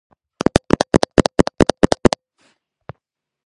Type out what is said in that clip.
შემდგომში იგი პეტერბურგში, ყაზანის ტაძარში გადაასვენეს.